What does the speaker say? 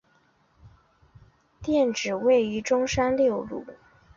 店址位于中山六路。